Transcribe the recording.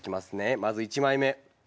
まず１枚目。